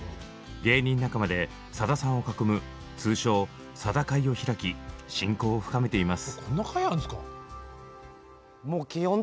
芸人仲間でさださんを囲む通称「さだ会」を開き親交を深めています。